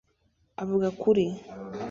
avuga kuri